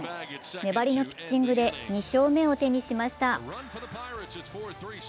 粘りのピッチングで２勝目を手にしました。